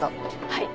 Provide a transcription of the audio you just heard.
はい。